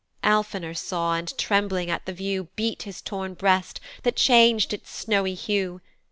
Alphenor saw, and trembling at the view, Beat his torn breast, that chang'd its snowy hue.